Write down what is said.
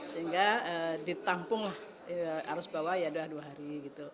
sehingga ditampung arus bawah ya sudah dua hari